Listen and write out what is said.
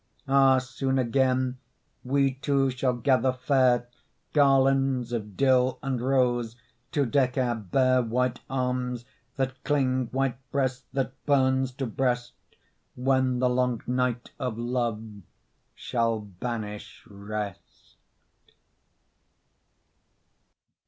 Ah, soon again we two shall gather fair Garlands of dill and rose to deck our bare White arms that cling, white breast that burns to breast, When the long night of love shall banish rest.